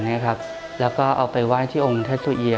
ไปไหว้งวายทีองค์ทัศุอีย